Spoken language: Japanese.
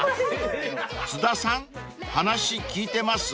［津田さん話聞いてます？］